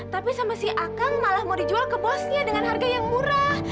tapi sama si akang malah mau dijual ke bosnya dengan harga yang murah